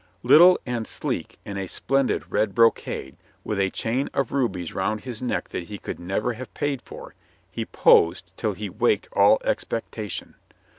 Little and sleek, in a splendid red brocade, with a chain of rubies round his neck that he could never have paid for, he posed till he waked all expectation.